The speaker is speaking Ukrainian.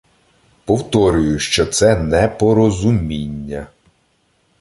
— Повторюю, що це непорозуміння.